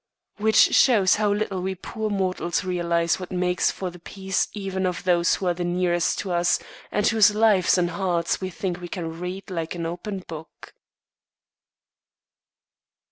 Which shows how little we poor mortals realise what makes for the peace even of those who are the nearest to us and whose lives and hearts we think we can read like an open book.